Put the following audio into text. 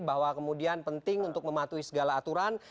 bahwa kemudian penting untuk mematuhi segala aturan